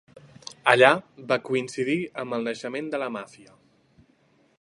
Allà va coincidir amb el naixement de la màfia.